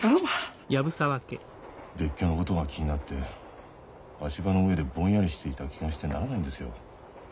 別居のことが気になって足場の上でぼんやりしていた気がしてならないんですよ。